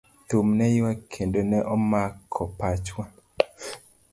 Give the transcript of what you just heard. Thum ne yuak kendo ne omako pachwa.